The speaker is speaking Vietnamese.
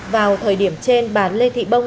vào thời điểm trên bà lê thị bông